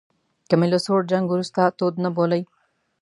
که مې له سوړ جنګ وروسته تود نه بولئ.